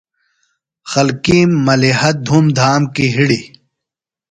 خلکِیم ملِیحہ دُھوم دھام کیۡ ہِڑیۡ۔